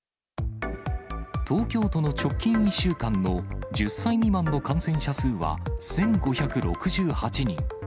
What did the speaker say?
東京都の直近１週間の１０歳未満の感染者数は１５６８人。